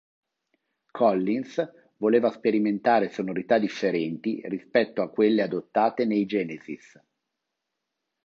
Collins voleva sperimentare sonorità differenti rispetto a quelle adottate nei Genesis.